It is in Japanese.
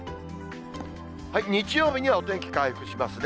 日曜日にはお天気回復しますね。